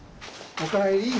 お帰り。